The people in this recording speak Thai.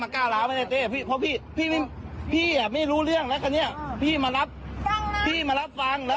ขึ้นนะครับ